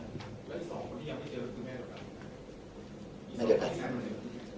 แล้วที่สองคนที่ยังไม่เจอกันคือแม่เหรอครับ